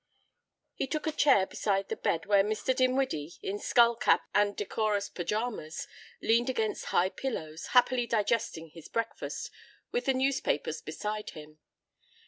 He took a chair beside the bed, where Mr. Dinwiddie, in skull cap and decorous pyjamas, leaned against high pillows, happily digesting his breakfast, with the newspapers beside him.